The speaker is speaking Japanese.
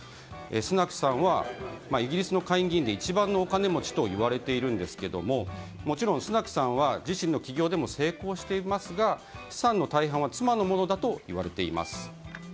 スナクさんはイギリスの下院議員で一番のお金持ちといわれているんですがもちろんスナクさんは自身の企業でも成功していますが資産の大半は妻のものだと言われています。